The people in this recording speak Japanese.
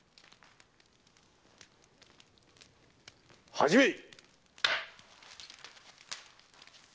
始めい！